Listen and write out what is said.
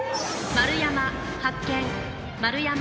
丸山発見。